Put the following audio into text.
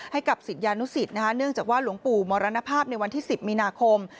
ศิษยานุสิตเนื่องจากว่าหลวงปู่มรณภาพในวันที่๑๐มีนาคม